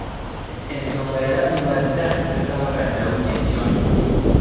Ensonga yalamulwa dda Ssekabaka Daudi Chwa